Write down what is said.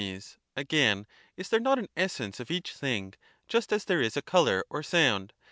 Again, is there not an essence of each thing, just as there is a coloiu", or sound?